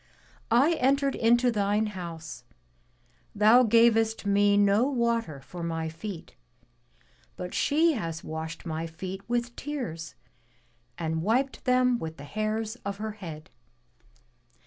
I entered into thine house; thou gavest me no water for my feet; but she has washed my feet with tears and wiped them with the hairs of her head.